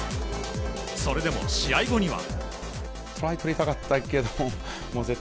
それでも試合後には。